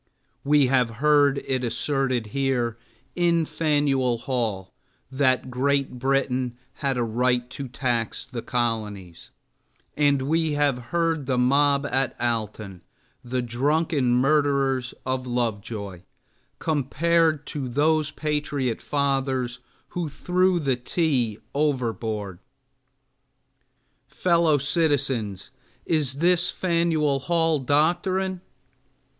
We have heard it asserted here, in Faneuil Hall, that Great Britain had a right to tax the colonies, and we have heard the mob at Alton, the drunken murderers of Lovejoy, compared to those patriot fathers who threw the tea overboard. Fellow citizens, is this Fanueil Hall doctrine?